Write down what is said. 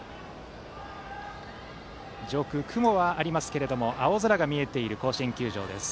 上空、雲はありますけれども青空が見えている甲子園球場です。